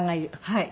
はい。